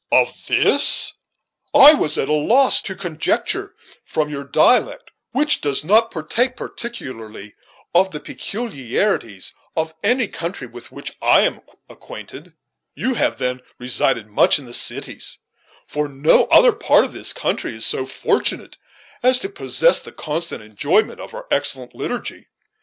"Of this! I was at a loss to conjecture, from your dialect, which does not partake, particularly, of the peculiarities of any country with which I am acquainted. You have, then, resided much in the cities, for no other part of this country is so fortunate as to possess the constant enjoyment of our excellent liturgy."